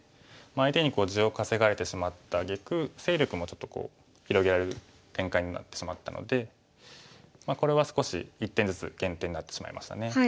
相手に地を稼がれてしまったあげく勢力もちょっとこう広げられる展開になってしまったのでこれは少し１点ずつ減点になってしまいましたね。